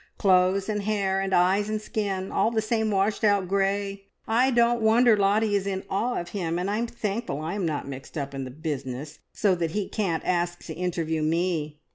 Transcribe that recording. "Clothes, and hair, and eyes, and skin all the same washed out grey. I don't wonder Lottie is in awe of him, and I'm thankful I am not mixed up in the business, so that he can't ask to interview me.